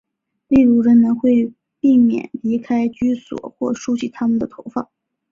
例如人们会避免离开居所或梳洗他们的头发。